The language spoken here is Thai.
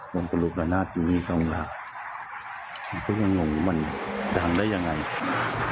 ผมคนลุกร้านนาดอยู่นี่ส่องเหลืองงมันดังได้ยังไงส์